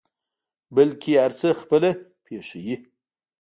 بلکې هر څه خپله پېښوي.